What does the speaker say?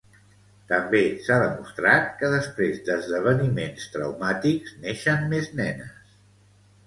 També s'ha demostrat que després d'esdeveniments traumàtics neixen més nenes.